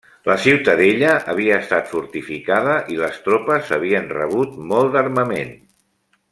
La ciutadella havia estat fortificada i les tropes havien rebut molt d'armament.